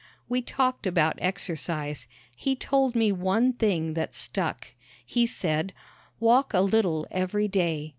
We talked about exercise. He told me one thing that stuck. He said: "Walk a little every day.